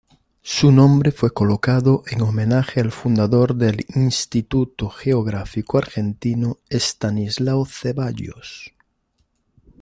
Su nombre fue colocado en homenaje al fundador del Instituto Geográfico Argentino, Estanislao Zeballos.